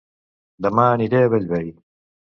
Dema aniré a Bellvei